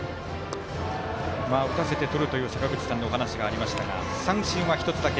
打たせてとるという坂口さんのお話がありましたが三振は１つだけ。